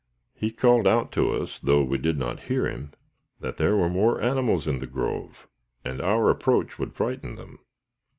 He called out to us, though we did not hear him, that there were more animals in the grove, and our approach would frighten them.